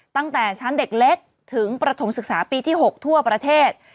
ตั้งแต่ชั้นเด็กเล็กถึงประถมศึกษาปีที่๖ทั่วประเทศ